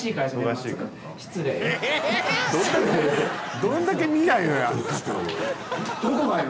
どんだけ見ないのよ